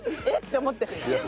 えっ？って思って。